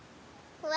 うわ！